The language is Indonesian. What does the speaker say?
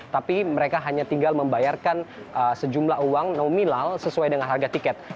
tapi mereka hanya tinggal membayarkan sejumlah uang nominal sesuai dengan harga tiket